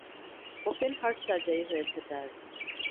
Open heart surgery হয়েছে তার।